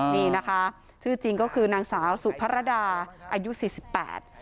นี่นะคะชื่อจริงก็คือนางสาวสุพรดาอายุสี่สิบแปด